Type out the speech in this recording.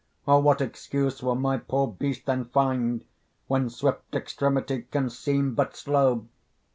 O! what excuse will my poor beast then find, When swift extremity can seem but slow?